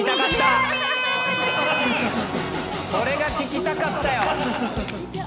それが聞きたかったよ。